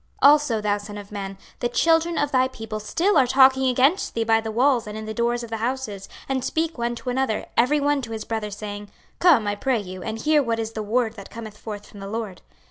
26:033:030 Also, thou son of man, the children of thy people still are talking against thee by the walls and in the doors of the houses, and speak one to another, every one to his brother, saying, Come, I pray you, and hear what is the word that cometh forth from the LORD.